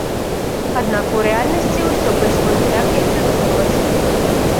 Аднак у рэальнасці ўсё пайшло не так, як задумвалася.